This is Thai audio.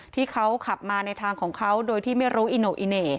ที่เขาขับมาในทางของเขาโดยที่ไม่รู้อิโนอิเน่